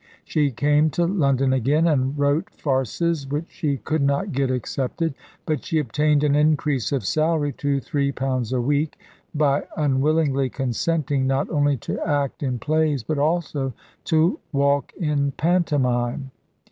She came to London again, and wrote farces, which she could not get accepted; but she obtained an increase of salary to three pounds a week by unwillingly consenting not only to act in plays, but also to walk in pantomime.